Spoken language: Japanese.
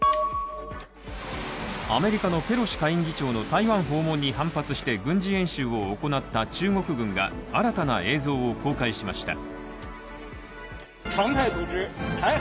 アメリカのペロシ下院議長の台湾訪問に反発して軍事演習を行った中国軍が新たな映像を公開しました。